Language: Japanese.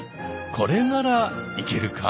これならいけるか？